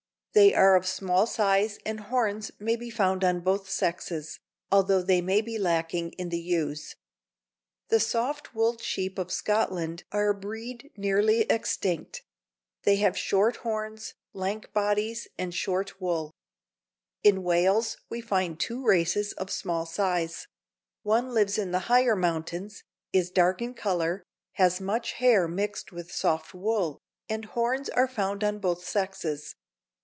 They are of small size and horns may be found on both sexes, although they may be lacking in the ewes. The soft wooled sheep of Scotland are a breed nearly extinct; they have short horns, lank bodies and short wool. In Wales we find two races of small size; one lives in the higher mountains, is dark in color, has much hair mixed with soft wool, and horns are found on both sexes.